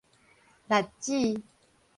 栗子